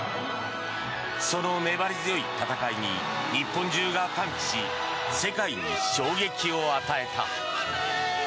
その粘り強い戦いに日本中が歓喜し世界に衝撃を与えた。